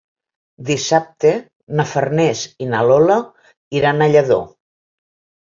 Dissabte na Farners i na Lola iran a Lladó.